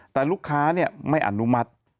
แต่ลูกค้าไม่อนุมัติ